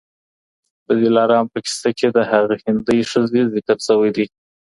د دلارام په کیسه کي د هغه هندۍ ښځې ذکر سوی دی